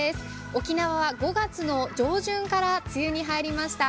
沖縄は５月の上旬から梅雨に入りました。